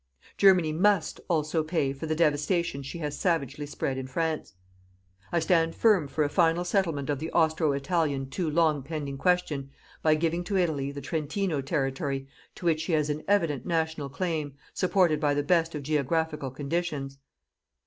Germany MUST also pay for the devastation she has savagely spread in France. I stand firm for a final settlement of the Austro Italian too long pending question by giving to Italy the Trentino territory to which she has an evident national claim supported by the best of geographical conditions.